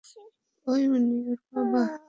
এই, উনি ওর বাবা।